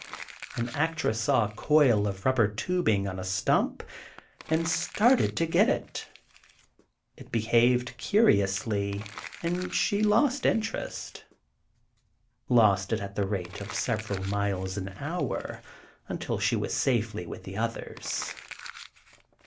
An actress saw a coil of rubber tubing on a stump, and started to get it. It behaved curiously, and she lost interest—lost it at the rate of several miles an hour, until she was safely with the others.